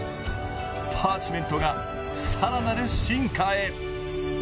パーチメントが更なる進化へ。